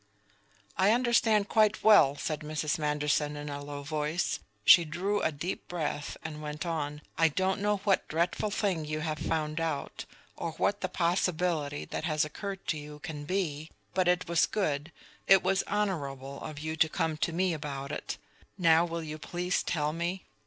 "I understand quite well," said Mrs. Manderson in a low voice. She drew a deep breath, and went on: "I don't know what dreadful thing you have found out, or what the possibility that has occurred to you can be, but it was good it was honorable of you to come to me about it. Now will you please tell me?"